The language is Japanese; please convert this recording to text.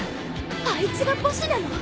あいつがボスなの！？